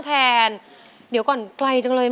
กลัวอยู่ในนี้นะ